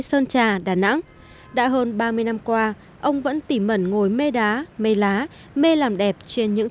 sơn trà đà nẵng đã hơn ba mươi năm qua ông vẫn tỉ mẩn ngồi mê đá mây lá mê làm đẹp trên những